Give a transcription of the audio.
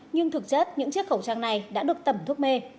nhưng thực chất những chiếc khẩu trang này đã được tẩm thuốc mê